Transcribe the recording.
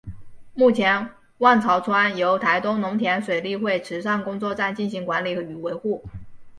目前万朝圳由台东农田水利会池上工作站进行管理与维护。